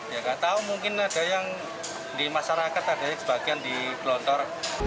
ya gak tau mungkin ada yang di masyarakat ada yang sebagian di pelontor